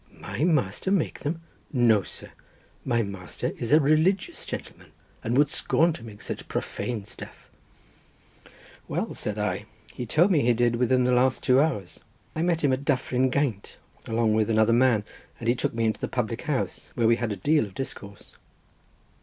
"My master make them? No, sir; my master is a religious gentleman, and would scorn to make such profane stuff." "Well," said I, "he told me he did within the last two hours. I met him at Dyffryn Gaint, along with another man, and he took me into the public house, where we had a deal of discourse."